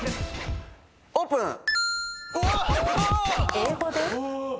英語で？